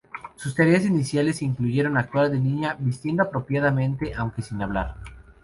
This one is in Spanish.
Sus tareas iniciales incluyeron actuar de niña, vistiendo apropiadamente aunque sin hablar.